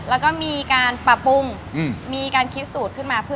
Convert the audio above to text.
แล้วก็มีการปรับปรุงมีการคิดสูตรขึ้นมาเพื่อ